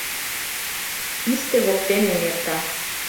Писте воктен эҥерта.